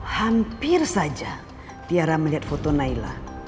hampir saja tiara melihat foto naila